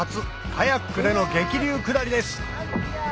カヤックでの激流下りです！